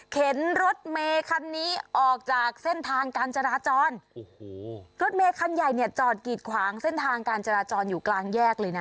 รถเมคันนี้ออกจากเส้นทางการจราจรโอ้โหรถเมคันใหญ่เนี่ยจอดกีดขวางเส้นทางการจราจรอยู่กลางแยกเลยนะ